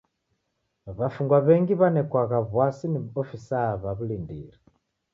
W'afungwa w'engi w'anekwagha w'asi ni ofisaa w'a w'ulindiri.